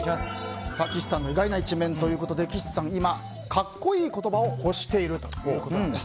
岸さんの意外な一面ということで岸さん、今かっこいい言葉を欲しているということなんです。